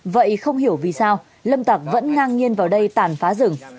vậy không hiểu vì sao lâm tạc vẫn ngang nhiên vào đây tàn phá rừng